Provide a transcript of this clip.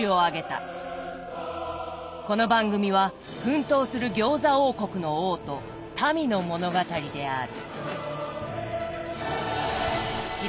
この番組は奮闘する餃子王国の王と民の物語である。